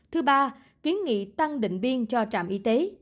thứ ba kiến nghị tăng định biên cho trạm y tế